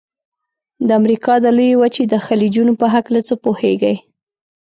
د امریکا د لویې وچې د خلیجونو په هلکه څه پوهیږئ؟